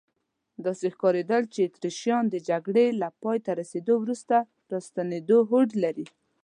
داسې ښکارېدل چې اتریشیان د جګړې له پایته رسیدو وروسته راستنېدو هوډ لري.